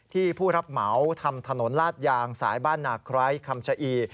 ผู้รับเหมาทำถนนลาดยางสายบ้านนาไคร้คำชะอี